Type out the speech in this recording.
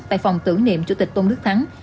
tại phòng tưởng niệm chủ tịch tôn đức thắng